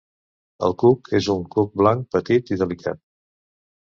El cuc és un cuc blanc, petit i delicat.